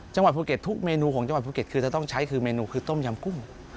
จังหวัดภูเก็ตทุกเมนูของจังหวัดภูเก็ตคือจะต้องใช้คือเมนูคือต้มยำกุ้ง